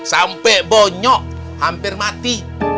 sampai bonyok hampir mati